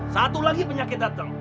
satu lagi penyakit datang